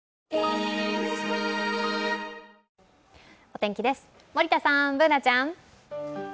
お天気です、森田さん、Ｂｏｏｎａちゃん。